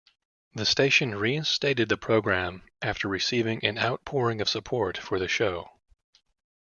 The station reinstated the program after receiving an "outpouring of support" for the show.